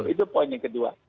itu poin yang kedua